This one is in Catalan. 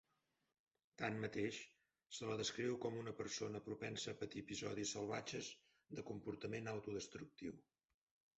Tanmateix, se la descriu com una persona propensa a patir episodis salvatges de comportament autodestructiu.